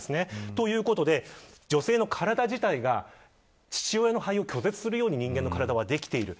ということで、女性の体自体が父親の肺を拒絶するように人間の体はできている。